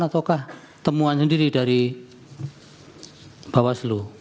ataukah temuan sendiri dari bawaslu